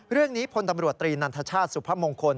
เรื่องนี้พลตำรวจตรีนันทชาติสุพมงคล